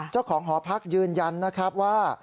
เจ้าของหอพักยืนยันนะครับว่า